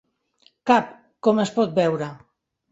Cap, com es pot veure.